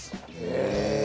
へえ。